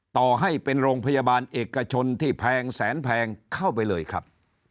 ต่อให้เป็นโรงพยาบาลเอกชนที่แพงแสนแพงเข้าไปเลยครับ